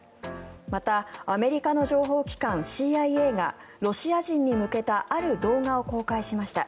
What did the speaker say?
また、アメリカの情報機関ＣＩＡがロシア人に向けたある動画を公開しました。